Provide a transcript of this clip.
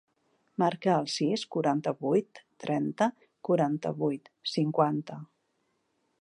Marca el sis, quaranta-vuit, trenta, quaranta-vuit, cinquanta.